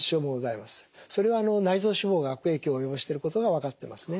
それは内臓脂肪が悪影響を及ぼしていることが分かっていますね。